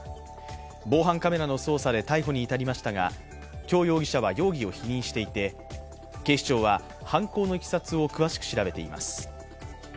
防犯カメラの捜査で逮捕に至りましたが姜容疑者は容疑を否認していて警視庁は犯行のいきさつを詳しく調べています。